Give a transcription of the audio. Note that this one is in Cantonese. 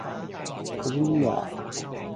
口水多过茶